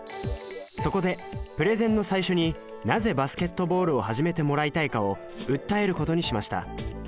そこでプレゼンの最初になぜバスケットボールを始めてもらいたいかを訴えることにしました。